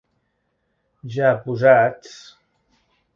Ja posats...